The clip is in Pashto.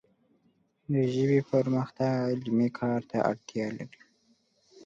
د ژبې پرمختګ علمي کار ته اړتیا لري